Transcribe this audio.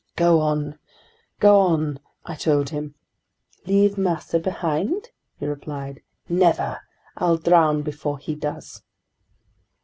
"Go on! Go on!" I told him. "Leave master behind?" he replied. "Never! I'll drown before he does!"